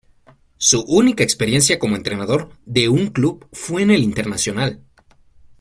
Su única experiencia como entrenador de un club fue en el Internacional.